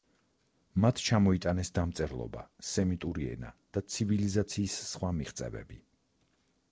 მათ ჩამოიტანეს დამწერლობა, სემიტური ენა და ცივილიზაციის სხვა მიღწევები.